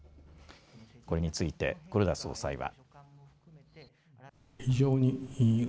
これについて黒田総裁は。